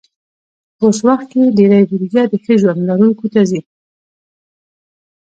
په اوس وخت کې ډېری بودیجه د ښه ژوند لرونکو ته ځي.